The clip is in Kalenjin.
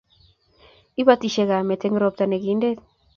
Ibotisie kamet eng' robta ne kinte